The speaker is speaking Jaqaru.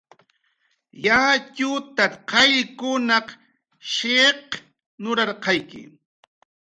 "Yatxutat"" qayllkunaq shiq' nurarqayki"